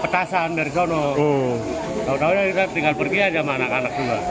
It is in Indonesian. tahu tahu kita tinggal pergi aja sama anak anak semua